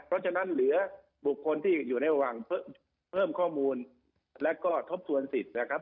เพราะฉะนั้นเหลือบุคคลที่อยู่ในระหว่างเพิ่มข้อมูลและก็ทบทวนสิทธิ์นะครับ